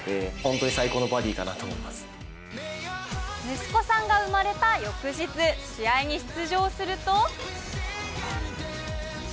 息子さんが生まれた翌日、試合に出場すると。